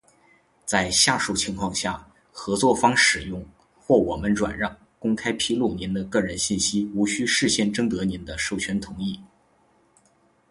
在下述情况下，合作方使用，或我们转让、公开披露您的个人信息无需事先征得您的授权同意：